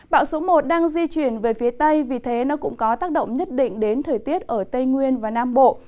bão số một đang di chuyển về phía tây vì thế nó cũng có tác động nhất định đến thời tiết ở tây nguyên và nam bộ